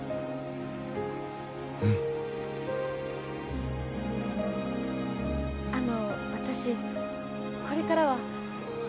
うんあの私これからはえりぴよ